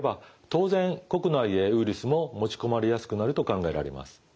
当然国内へウイルスも持ち込まれやすくなると考えられます。